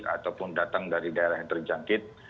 ataupun datang dari daerah yang terjangkit